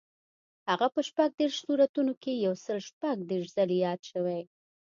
هغه په شپږ دېرش سورتونو کې یو سل شپږ دېرش ځلي یاد شوی.